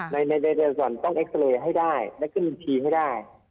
ในใดใดส่วนต้องเอ็กซ์เตอร์เรย์ให้ได้ได้ขึ้นทีให้ได้